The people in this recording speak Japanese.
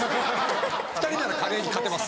２人ならカレーに勝てます。